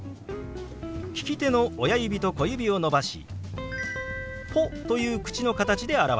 利き手の親指と小指を伸ばし「ポ」という口の形で表します。